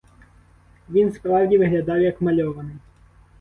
Він справді виглядав як мальований.